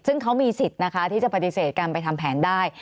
ซึ่งเขามีสิทธิ์นะคะที่จะปฏิเสธการไปทำแผนได้